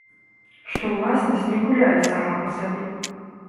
Што ўласнасць не гуляе сама па сабе.